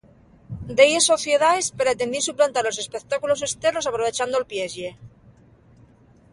Delles sociedaes pretendíen suplantar los espectáculos esternos aprovechando'l pieslle.